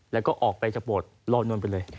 แล้วก็ออกไปจากโบสถลอยนวลไปเลย